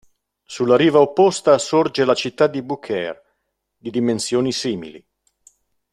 Sulla riva opposta sorge la città di Beaucaire, di dimensioni simili.